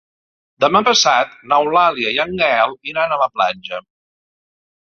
Demà passat n'Eulàlia i en Gaël iran a la platja.